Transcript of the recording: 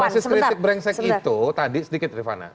basis kritik brengsek itu tadi sedikit rifana